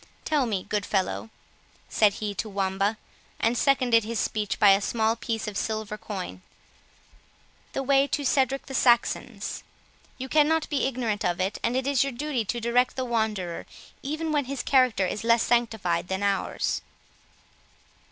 —Tell me, good fellow," said he to Wamba, and seconded his speech by a small piece of silver coin, "the way to Cedric the Saxon's; you cannot be ignorant of it, and it is your duty to direct the wanderer even when his character is less sanctified than ours."